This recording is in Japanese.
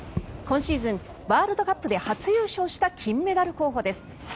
今シーズン、ワールドカップで初優勝した金メダル候補です。